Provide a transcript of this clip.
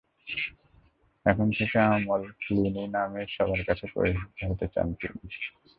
এখন থেকে Amal Clooney নামেই সবার কাছে পরিচিত হতে চান তিনি।